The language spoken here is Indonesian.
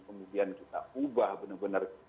kemudian kita ubah benar benar